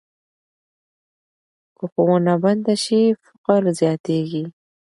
که ښوونه بنده سي، فقر زیاتېږي.